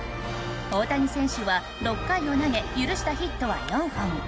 大谷選手は６回を投げ許したヒットは４本。